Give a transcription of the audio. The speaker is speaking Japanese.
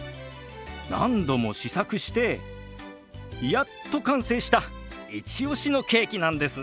何度も試作してやっと完成したイチオシのケーキなんです。